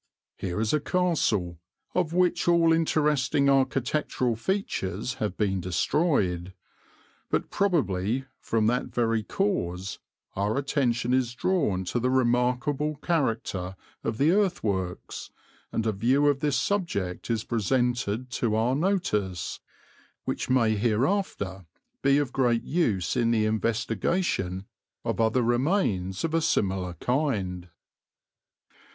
Here is a castle, of which all interesting architectural features have been destroyed. But probably from that very cause our attention is drawn to the remarkable character of the earthworks, and a view of this subject is presented to our notice, which may hereafter be of great use in the investigation of other remains of a similar kind.'"